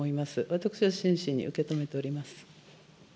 私は真摯に受け止めております。